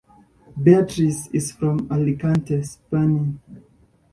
Beatriz is from Alicante, Spain.